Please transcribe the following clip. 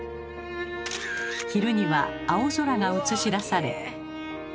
昼には青空が映し出され。